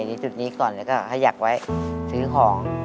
ในจุดนี้ก่อนแล้วก็ขยักไว้ซื้อของ